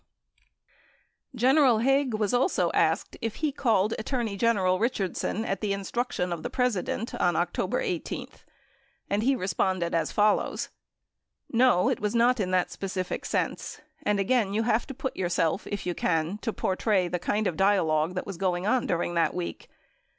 07 23 Hearings 11014 1023 General Haig was also asked if lie called Attorney General Eichard son at the instruction of the President on October 18, and he re sponded as follows : No, it was not in that specific sense. And again you have to put yourself, if you can, to portray the kind of dialog that was going on during that week.